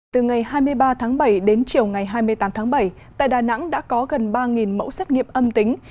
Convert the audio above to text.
từ ngày hai mươi ba tháng bảy đến chiều ngày hai mươi tám tháng bảy tại đà nẵng đã có gần ba mẫu xét nghiệm âm tính